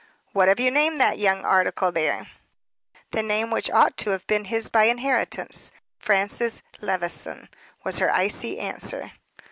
"What have you named that young article there?" "The name which ought to have been his by inheritance 'Francis Levison,'" was her icy answer.